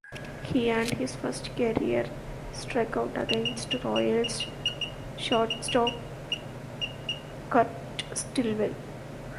He earned his first career strikeout against Royals shortstop Kurt Stillwell.